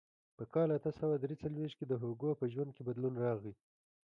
په کال اته سوه درې څلوېښت کې د هوګو په ژوند کې بدلون راغی.